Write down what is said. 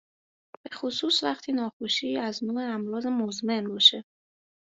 بخصوص وقتی ناخوشی از نوع اَمراض مُزمِن باشه.